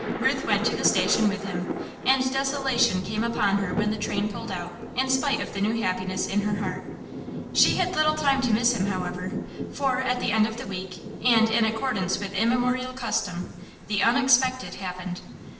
Ruth went to the station with him, and desolation came upon her when the train pulled out, in spite of the new happiness in her heart. She had little time to miss him, however, for, at the end of the week, and in accordance with immemorial custom, the Unexpected happened.